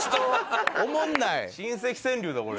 親戚川柳だこれ。